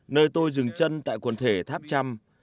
nơi tôi dừng chân tại quần thể tháp trăm